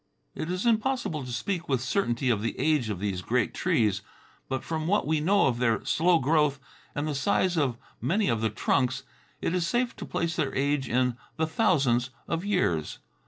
It is impossible to speak with certainty of the age of these great trees, but from what we know of their slow growth and the size of many of the trunks, it is safe to place their age in the thousands of years.